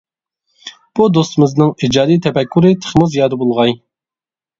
بۇ دوستىمىزنىڭ ئىجادى تەپەككۇرى تېخىمۇ زىيادە بولغاي!